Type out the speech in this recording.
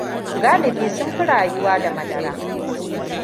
Galibi sun fi rayuwa da madara.